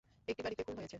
একটি বাড়িতে খুন হয়েছে।